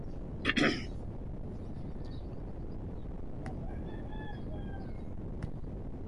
The aircraft has very quiet operation, and has been marketed under the name Whisperjet.